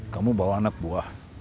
kamu bawa anak buah